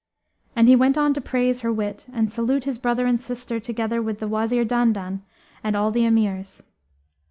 And he went on to praise her wit and salute his brother and sister together with the Wazir Dandan and all the Emirs.